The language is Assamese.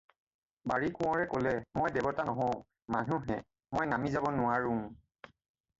"বাঁৰী-কোঁৱৰে ক'লে- "মই দেৱতা নহওঁ, মানুহহে; মই নামি যাব নোৱাৰোঁ।"